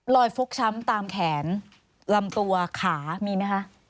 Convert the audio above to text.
ฟกช้ำตามแขนลำตัวขามีไหมคะ